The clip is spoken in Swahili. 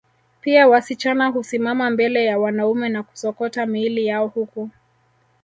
Pia wasichana husimama mbele ya wanaume na kusokota miili yao huku